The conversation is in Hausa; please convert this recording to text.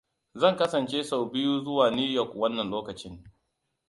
Zan kasance sau biyu zuwa New York wannan lokacin.